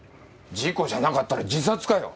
事故じゃなかったら自殺かよ？